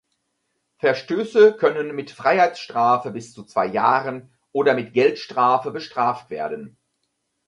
Verstöße können mit Freiheitsstrafe bis zu zwei Jahren oder mit Geldstrafe bestraft werden.